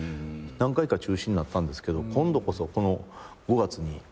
何回か中止になったんですけど今度こそこの５月にちょっと行こうかなと。